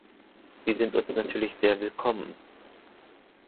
Sie sind uns natürlich sehr willkommen.